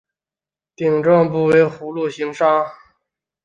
幢顶部为葫芦形刹。